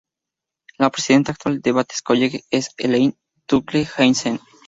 La presidenta actual de Bates College es Elaine Tuttle Hansen.